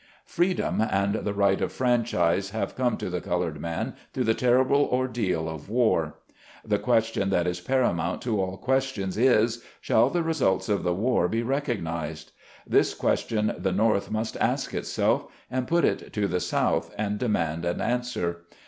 Freedom and the right of franchise have come to the colored man through the terrible ordeal of war. The question that is paramount to all ques tions is : Shall the results of the war be recognized ? This question the North must ask herself, and put it to the South, and demand an answer.